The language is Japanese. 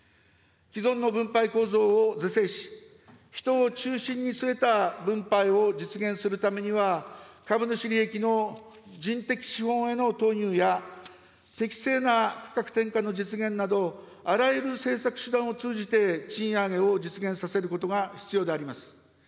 既存の分配構造を是正し、人を中心に据えた分配を実現するためには、株主利益の人的資本への投入や適正な価格転嫁の実現など、あらゆる政策手段を通じて、賃上げを実現させることが必要であります。